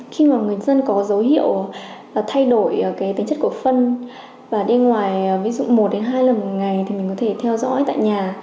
khi mà người dân có dấu hiệu thay đổi cái tính chất cổ phân và đi ngoài ví dụ một đến hai lần một ngày thì mình có thể theo dõi tại nhà